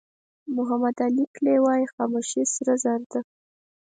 محمد علي کلي وایي خاموشي سره زر ده.